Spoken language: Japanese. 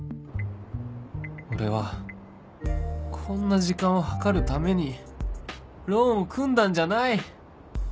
俺はこんな時間を計るためにローンを組んだんじゃない！